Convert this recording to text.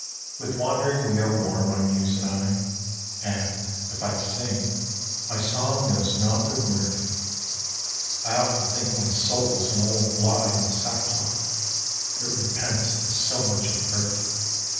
With wandering we are worn my muse and I, And, if I sing, my song knows nought of mirth. I often think my soul is an old lie In sackcloth, it repents so much of birth.